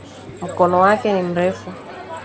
Mkono wake ni mrefu